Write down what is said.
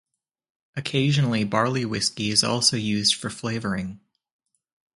Occasionally barley whisky is also used for flavouring.